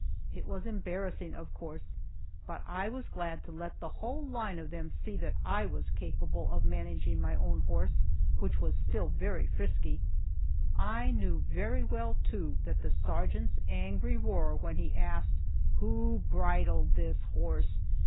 It was embarrassing, of course, but I was glad to let the whole line of them see that I was capable of managing my own horse, which was still very frisky. I knew very well, too, that the sergeant's angry roar when he asked, "Who bridled this horse?"